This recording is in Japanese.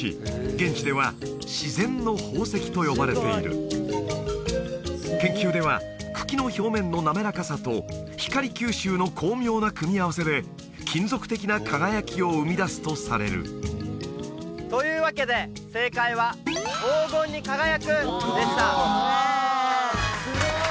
現地では自然の宝石と呼ばれている研究では茎の表面の滑らかさと光吸収の巧妙な組み合わせで金属的な輝きを生み出すとされるというわけで正解は「黄金に輝く」でした・すごい！